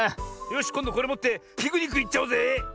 よしこんどこれもってピクニックいっちゃおうぜ！